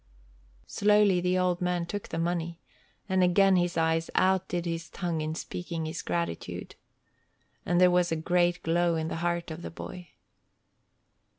Slowly the old man took the money, and again his eyes outdid his tongue in speaking his gratitude. And there was a great glow in the heart of the boy.